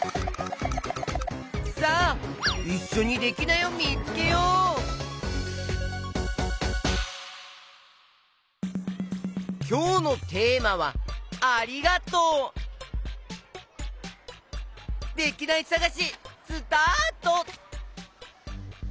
さあいっしょにきょうのテーマは「ありがとう」できないさがしスタート！